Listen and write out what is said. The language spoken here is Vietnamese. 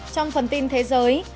trong phần tin thế giới